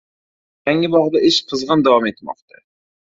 Yangi bog‘da ish qizg‘in davom etmoqda